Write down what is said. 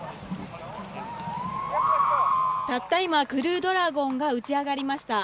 たった今クルードラゴンが打ち上がりました。